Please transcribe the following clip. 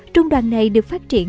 trung đoàn này được phát triển